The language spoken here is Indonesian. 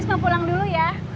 mau pulang dulu ya